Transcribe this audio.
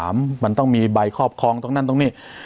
มันต้องมีใบครอบครองตรงนั้นตรงนี้